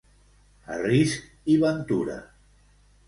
A risc i ventura.